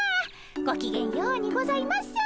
ごきげんようにございます。